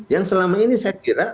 yang selama ini saya kira